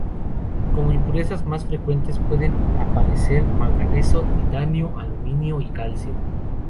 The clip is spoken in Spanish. Como impurezas más frecuentes pueden aparecer manganeso, titanio, aluminio y calcio.